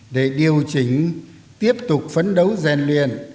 để điều chỉnh tiếp tục phấn đấu rèn luyện